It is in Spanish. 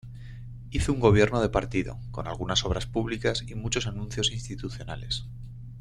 Hizo un gobierno de partido, con algunas obras públicas y muchos anuncios institucionales.